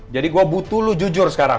jadi gue butuh lo jujur sekarang